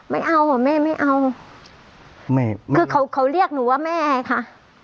ไม่เอาเหรอแม่ไม่เอาแม่คือเขาเขาเรียกหนูว่าแม่ค่ะ